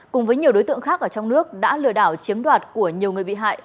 cùng với nhiều đối tượng khác ở trong nước đã lừa đảo chiếm đoạt của nhiều người bị hại